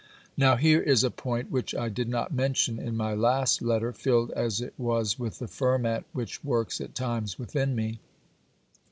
Now here is a point which I did not mention in my last letter, filled as it was with the ferment which works at times within me.